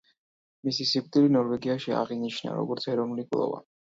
მისი სიკვდილი ნორვეგიაში აღინიშნა, როგორც ეროვნული გლოვა.